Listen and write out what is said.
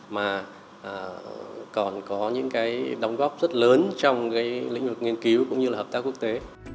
mà còn có những cái đóng góp rất lớn trong cái lĩnh vực nghiên cứu cũng như là hợp tác quốc tế